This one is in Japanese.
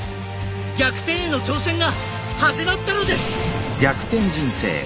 逆転への挑戦が始まったのです！